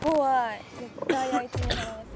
絶対あいつに払わせよ。